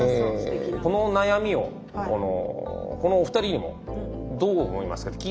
この悩みをこのお二人にもどう思いますかって聞いたんですよ。